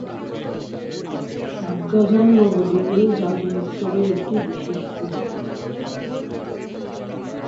সাত গাজন নবদ্বীপের গাজন উৎসবের একটি বিশেষ দিন।